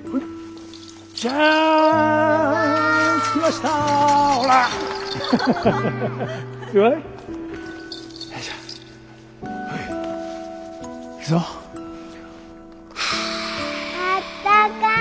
あったかい。